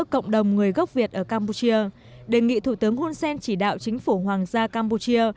cộng đồng người gốc việt ở campuchia đề nghị thủ tướng hunsen chỉ đạo chính phủ hoàng gia campuchia